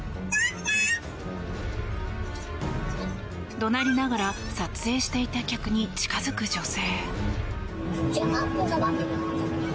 怒鳴りながら撮影していた客に近付く女性。